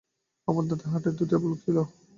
আমার দাদার হার্টে দুইটা ব্লক ছিলো।